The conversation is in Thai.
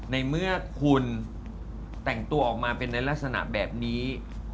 ในเมื่อคุณแต่งตัวออกมาเป็นในลักษณะแบบนี้